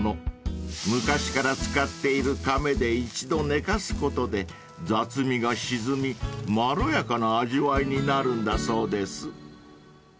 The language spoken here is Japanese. ［昔から使っているかめで一度寝かすことで雑味が沈みまろやかな味わいになるんだそうです］